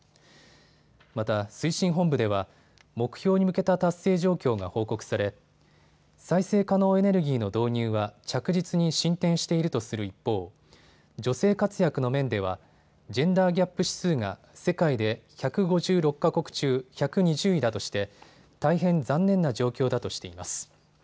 また推進本部では目標に向けた達成状況が報告され再生可能エネルギーの導入は着実に進展しているとする一方、女性活躍の面ではジェンダーギャップ指数が世界で１５６か国中１２０位だとして大変残念な状況だとしています。